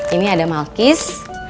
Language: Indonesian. ini ada malkis